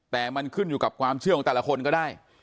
แต่มันขึ้นอยู่กับความเชื่อของแต่ละคนก็ได้